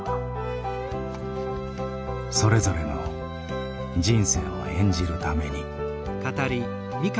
それぞれの人生を演じるために。